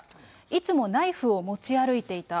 いつもナイフを持ち歩いていた。